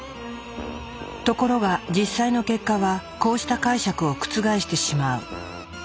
ところが実際の結果はこうした解釈を覆してしまう。